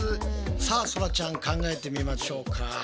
さあそらちゃん考えてみましょうか。